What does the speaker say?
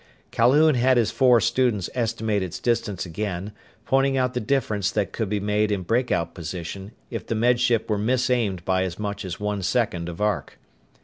Calhoun had his four students estimate its distance again, pointing out the difference that could be made in breakout position if the Med Ship were mis aimed by as much as one second of arc.